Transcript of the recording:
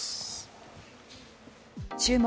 「注目！